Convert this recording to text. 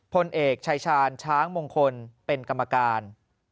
พลเอกชายชาญช้างมงคลเป็นกรรมการ